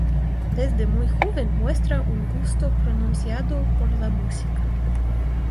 Desde muy joven muestra un gusto pronunciado por la música.